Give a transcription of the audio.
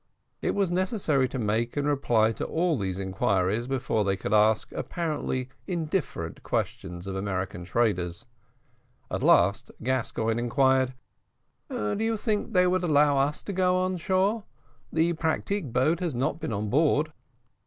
It was necessary to make and reply to all these inquiries before they could ask apparently indifferent questions of American traders; at last Gascoigne inquired: "Do you think they would allow us to go on shore? the pratique boat has not been on board."